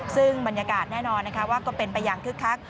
ซึ่งบรรยากาศแน่นอนนะคะว่าก็เป็นไปอย่างคึกคัก